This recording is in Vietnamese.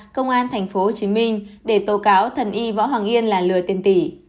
công an tp hcm để tố cáo thần y võ hoàng yên là lừa tiền tỷ